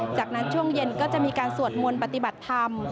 จากนั้นช่วงเย็นก็จะมีการสวดมนต์ปฏิบัติธรรม